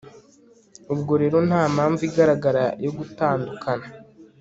ubwo rero nta mpamvu igaragara yo gutandukana